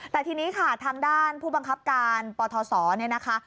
แต่ทีนี้ค่ะทางด้านผู้บังคับการปทศเนี่ยนะคะ